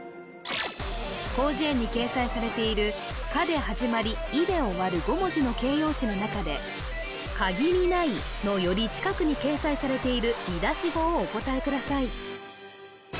広辞苑に掲載されている「か」で始まり「い」で終わる５文字の形容詞の中で「かぎりない」のより近くに掲載されている見出し語をお答えください